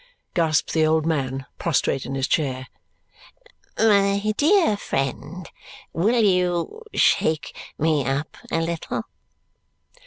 gasps the old man, prostrate in his chair. "My dear friend, will you shake me up a little?"